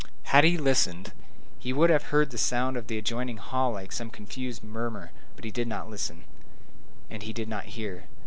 Had he listened, he would have heard the sound of the adjoining hall like a sort of confused murmur; but he did not listen, and he did not hear.